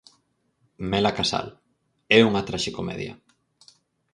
Mela Casal: É unha traxicomedia.